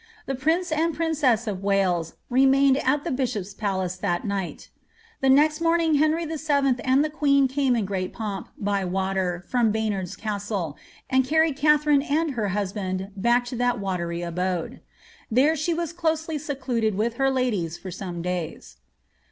The prince and princess of Wales re« mined at the bishop's palace that night The next morning Henry VH and the queen came in grand pomp by water from Baynard^s Castle, and carried Katharine and her husband back to that watery abode.' There the was closely secluded with her ladies for some days.